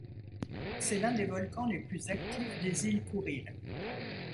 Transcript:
C'est l'un des volcans les plus actifs des îles Kouriles.